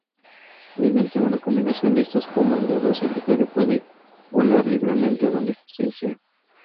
Mediante una combinación de estos comandos, el usuario puede volar libremente a donde desee.